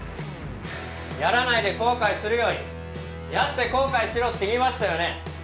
やらないで後悔するよりやって後悔しろって言いましたよね